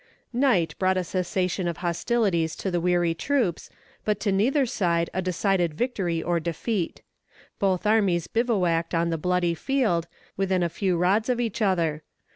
Night brought a cessation of hostilities to the weary troops, but to neither side a decided victory or defeat. Both armies bivouaced on the bloody field, within a few rods of each other.